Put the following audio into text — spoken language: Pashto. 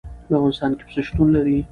په افغانستان کې پسه شتون لري.